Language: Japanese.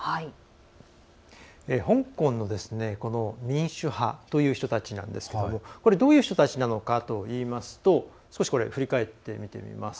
香港のこの民主派という人たちなんですけどもどういう人たちなのかといいますと少し振り返ってみてみます。